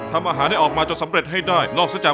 ทำอาหารให้ออกมาจนสำเร็จให้ได้นอกจาก